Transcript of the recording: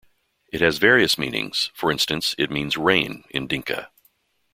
It has various meanings; for instance, it means "Rain" in Dinka.